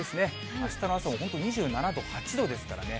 あしたの朝も本当、２７度、８度ですからね。